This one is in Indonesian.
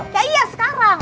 ya iya sekarang